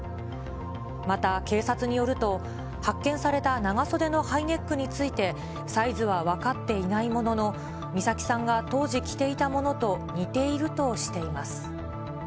また警察によると、発見された長袖のハイネックについて、サイズは分かっていないものの、美咲さんが当時着ていたものと似ているとしています。